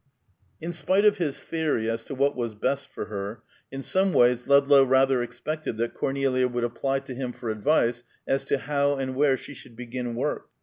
XII. In spite of his theory as to what was best for her, in some ways Ludlow rather expected that Cornelia would apply to him for advice as to how and where she should begin work.